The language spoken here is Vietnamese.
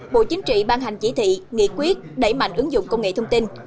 bộ chính trị ban hành chỉ thị nghị quyết đẩy mạnh ứng dụng công nghệ thông tin